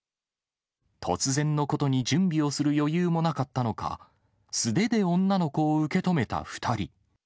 突然のことに準備をする余裕もなかったのか、素手で女の子を受け止めた２人。